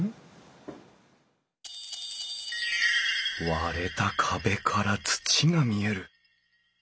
割れた壁から土が見える。